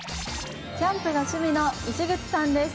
キャンプが趣味の石口さんです。